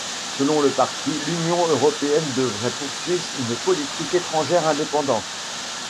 Selon le parti, l'Union européenne devrait poursuivre une politique étrangère indépendante.